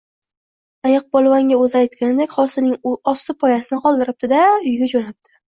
Ayiq polvonga o’zi aytganidek, hosilning osti poyasini qoldiribdi – da, uyiga jo’nabdi